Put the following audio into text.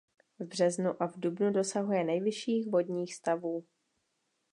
V březnu a v dubnu dosahuje nejvyšších vodních stavů.